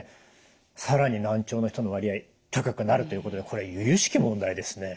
更に難聴の人の割合高くなるということでこれゆゆしき問題ですね。